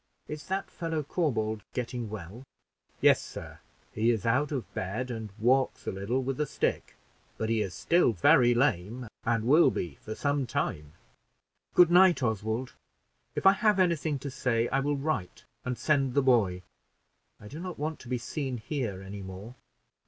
Is that fellow, Corbould, getting well?" "Yes, sir; he is out of bed, and walks a little with a stick; but he is still very lame, and will be for some time." "Good night, Oswald; if I have any thing to say, I will write and send the boy. I do not want to be seen here any more."